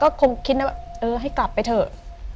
ก็คงคิดนะว่าเออให้กลับไปเถอะ